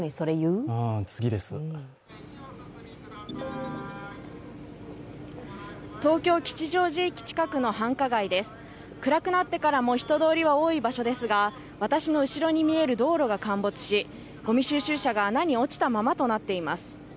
暗くなってからも人通りは多い場所ですが私の後ろに見える道路が陥没し、ごみ収集車が穴に落ちたままになっています。